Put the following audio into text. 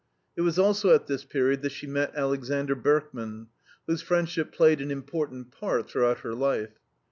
It was also at this period that she met Alexander Berkman, whose friendship played an important part throughout her life.